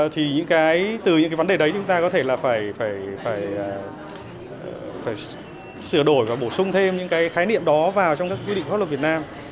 thì những cái từ những cái vấn đề đấy chúng ta có thể là phải sửa đổi và bổ sung thêm những cái khái niệm đó vào trong các quy định pháp luật việt nam